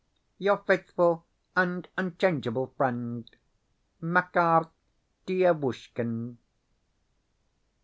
Your faithful and unchangeable friend, MAKAR DIEVUSHKIN.